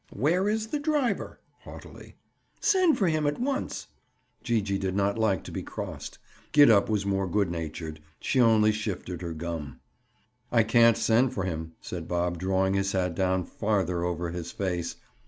"Where is the driver?" Haughtily. "Send for him at once." Gee gee did not like to be crossed. Gid up was more good natured; she only shifted her gum. "I can't send for him," said Bob drawing his hat down farther over his face.